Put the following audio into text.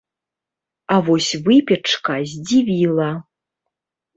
А вось выпечка здзівіла.